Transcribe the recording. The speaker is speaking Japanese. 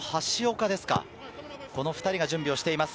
この２人が準備しています。